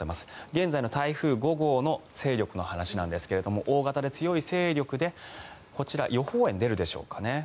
現在の台風５号の勢力の話なんですが大型で強い勢力でこちら予報円、出るでしょうか。